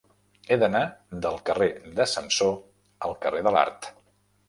He d'anar del carrer de Samsó al carrer de l'Art.